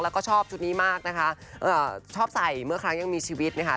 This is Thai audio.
แล้วก็ชอบชุดนี้มากนะคะชอบใส่เมื่อครั้งยังมีชีวิตนะคะ